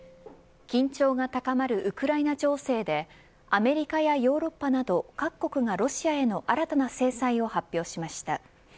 緊張が高まるウクライナ情勢でアメリカやヨーロッパなど各国がロシアへの新たな制裁を発表しました。